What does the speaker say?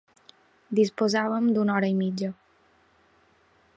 Disposàvem d’una hora i mitja.